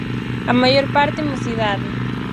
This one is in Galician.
A maior parte mocidade.